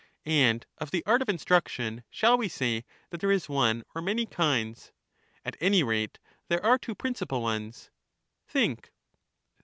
And of the art of instruction, shall we say that there is one or many kinds ? At any rate there are two principal ones. Think.